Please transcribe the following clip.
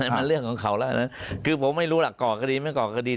มันเรื่องของเขาแล้วนะคือผมไม่รู้ล่ะก่อคดีไม่ก่อคดี